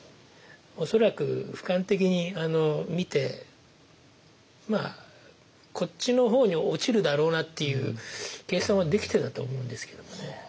恐らく俯瞰的に見てこっちの方に落ちるだろうなっていう計算はできてたと思うんですけどもね。